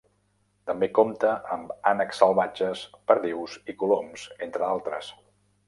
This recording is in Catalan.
També compta amb ànecs salvatges, perdius i coloms, entre altres.